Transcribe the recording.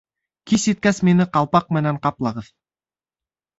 Кис еткәс мине ҡалпаҡ менән ҡаплағыҙ.